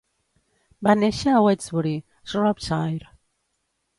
Va néixer a Westbury, Shropshire.